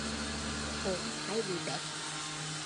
Mắt hột hay bị bét